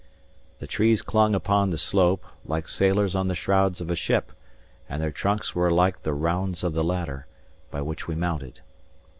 The trees clung upon the slope, like sailors on the shrouds of a ship, and their trunks were like the rounds of a ladder, by which we mounted.